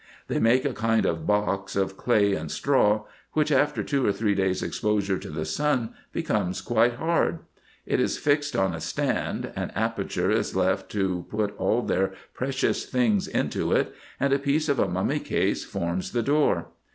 They make a kind of box of clay and straw, which, after two or three days' exposure to the sun, becomes quite hard. It is fixed on a stand, an aperture is left to put all their precious things into it, and a piece of a mummy case forms the door.